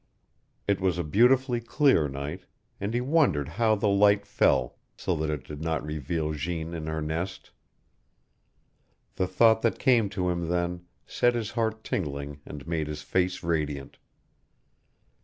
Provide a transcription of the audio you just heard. It was a beautifully clear night, and he wondered how the light fell so that it did not reveal Jeanne in her nest. The thought that came to him then set his heart tingling and made his face radiant.